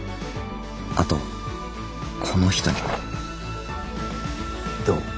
あとこの人にもどう？